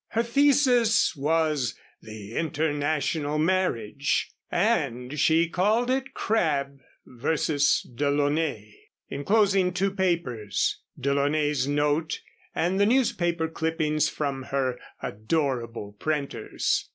Her thesis was the international marriage, and she called it Crabb vs. DeLaunay, enclosing two papers, DeLaunay's note and the newspaper clippings from her adorable printers.